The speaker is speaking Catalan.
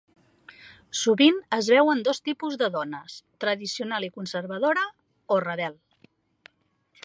Sovint es veuen dos tipus de dones: tradicional i conservadora, o rebel.